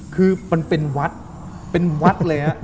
คือมันเป็นวัดเป็นวัดเลยฮะ